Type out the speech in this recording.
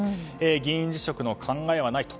議員辞職の考えはないと。